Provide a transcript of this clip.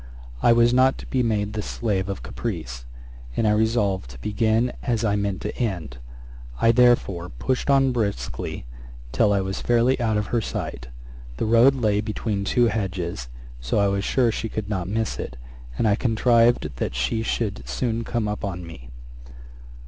I was not to be made the slave of caprice; and I resolved to begin as I meant to end. I therefore pushed on briskly, till I was fairly out of her sight. The road lay between two hedges, so I was sure she could not miss it; and I contrived that she should soon come up with me.